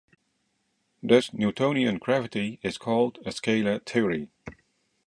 Thus, Newtonian gravity is called a scalar theory.